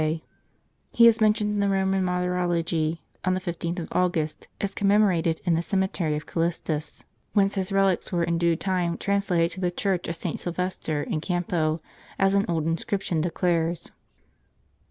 "* He is mentioned in the Koman martyrology, on the 15th of August, as commemorated in the cemetery of Callistus ; whence his relics were, in due time, translated to the church of St. Sylvester in Campo, as an old inscription declares.